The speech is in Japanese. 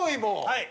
はい。